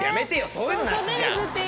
そういうのなしじゃん！